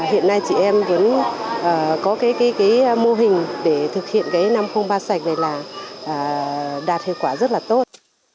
hiện nay chị em vẫn có cái mô hình để thực hiện cái năm trăm linh ba sạch này là đạt hiệu quả rất là tốt